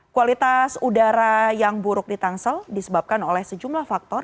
kualitas udara yang buruk di tangsel disebabkan oleh sejumlah faktor